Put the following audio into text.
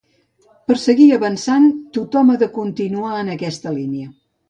Per seguir avançant tothom ha de continuar en aquesta línia.